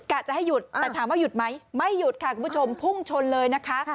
จะให้หยุดแต่ถามว่าหยุดไหมไม่หยุดค่ะคุณผู้ชมพุ่งชนเลยนะคะ